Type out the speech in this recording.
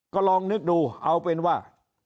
ก็ลองนึกดูเอาเป็นว่า